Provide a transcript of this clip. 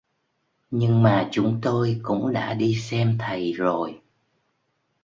Nhưng mà chúng tôi cũng đã đi xem thầy rồi